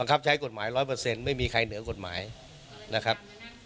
บังคับใช้กฎหมายร้อยเปอร์เซ็นต์ไม่มีใครเหนือกฎหมายนะครับ